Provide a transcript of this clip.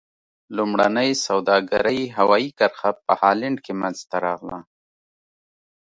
لومړنۍ سوداګرۍ هوایي کرښه په هالند کې منځته راغله.